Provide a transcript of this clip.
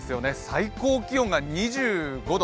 最高気温が２５度。